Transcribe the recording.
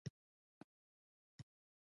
ایا زه واده ته لاړ شم؟